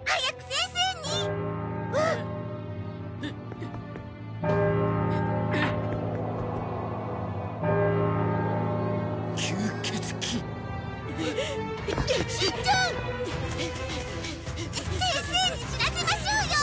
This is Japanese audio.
先生に知らせましょうよ！